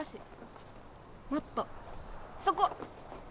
もっとそこ！